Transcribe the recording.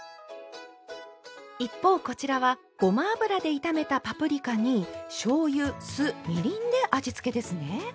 一方こちらはごま油で炒めたパプリカにしょうゆ酢みりんで味付けですね。